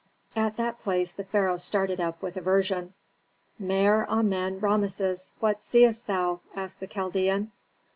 At that place the pharaoh started up with aversion. "Mer Amen Rameses, what seest thou?" asked the Chaldean.